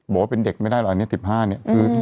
บอกว่าเป็นเด็กไม่ได้หรอกอันนี้๑๕เนี่ย